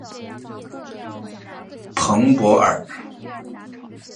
蓬波尔。